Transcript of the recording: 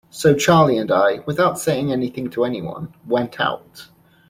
So Charley and I, without saying anything to anyone, went out.